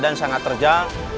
dan dia cerap untuk nyari